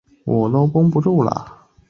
达尔比耶。